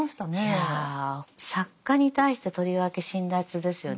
いや作家に対してとりわけ辛辣ですよね。